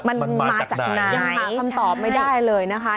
มันมาจากไหนหาคำตอบไม่ได้เลยนะคะ